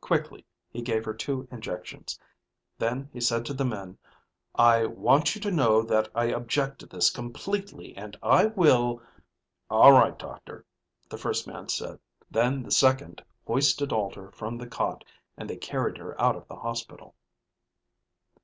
Quickly he gave her two injections. Then he said to the men, "I want you to know that I object to this completely and I will " "All right, Doctor," the first man said. Then the second hoisted Alter from the cot and they carried her out of the hospital.